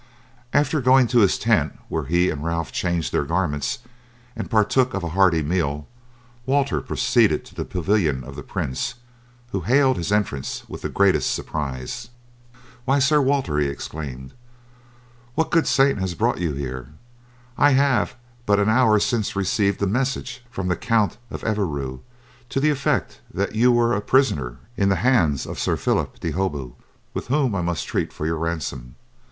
After going to his tent, where he and Ralph changed their garments and partook of a hearty meal, Walter proceeded to the pavilion of the prince, who hailed his entrance with the greatest surprise. "Why Sir Walter," he exclaimed, "what good saint has brought you here? I have but an hour since received a message from the Count of Evreux to the effect that you were a prisoner in the bands of Sir Phillip de Holbeaut, with whom I must treat for your ransom.